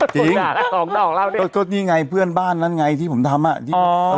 จริงออกออกออกแล้วนี่ก็นี่ไงเพื่อนบ้านนั่นไงที่ผมทำอ่ะอ๋อ